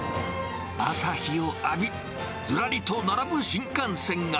朝日を浴び、ずらりと並ぶ新幹線が。